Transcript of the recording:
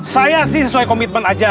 saya sih sesuai komitmen aja